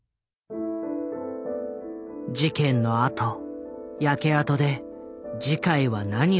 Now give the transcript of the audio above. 事件のあと焼け跡で慈海は何を思ったのか。